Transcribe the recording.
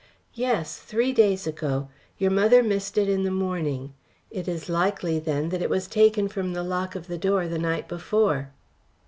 "Yes, three days ago. Your mother missed it in the morning. It is likely, then, that it was taken from the lock of the door the night before."